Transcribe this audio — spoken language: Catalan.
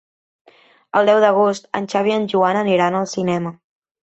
El deu d'agost en Xavi i en Joan aniran al cinema.